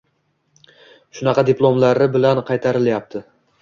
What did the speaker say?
Shunaqa diplomlari bilan qaytarilayapti.